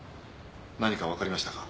何かわかりましたか？